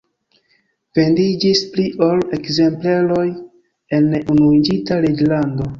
Vendiĝis pli ol ekzempleroj en Unuiĝinta Reĝlando.